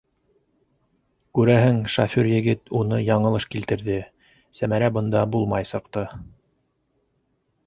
Күрәһең, шофер егет уны яңылыш килтерҙе - Сәмәрә бында булмай сыҡты.